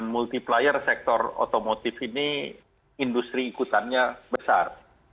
multiplier sektor otomotif ini industri ikutannya besar